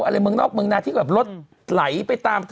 อะไรเมืองนอกเมืองนาที่แบบรถไหลไปตาม